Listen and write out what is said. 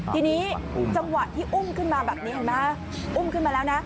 ทีนี้จังหวะที่อุ้มขึ้นมาแบบนี้เห็นไหมอุ้มขึ้นมาแล้วนะ